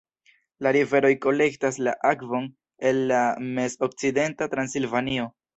La riveroj kolektas la akvon el la Mez-Okcidenta Transilvanio.